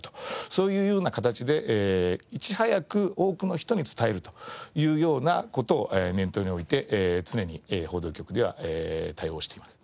そういうような形でいち早く多くの人に伝えるというような事を念頭に置いて常に報道局では対応しています。